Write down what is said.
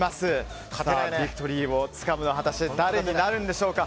ビクトリーをつかむのは果たして誰になるんでしょうか。